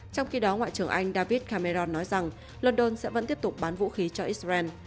trong khi đó ngoại trưởng anh david cameron nói rằng london sẽ vẫn tiếp tục bán vũ khí cho israel